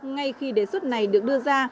ngay khi đề xuất này được đưa ra